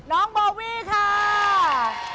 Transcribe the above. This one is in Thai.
น้องโบวี่ค่ะ